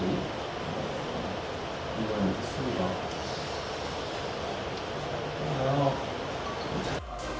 pertandingan lag pertama semifinal indonesia